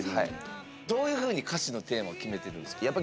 どういうふうに歌詞のテーマを決めてるんですか？